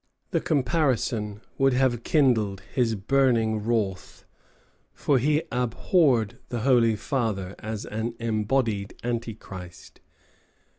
The comparison would have kindled his burning wrath, for he abhorred the Holy Father as an embodied Antichrist.